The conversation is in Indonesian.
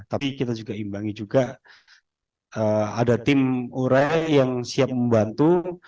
tapi kita juga imbangi juga ada tim ure yang siap membantu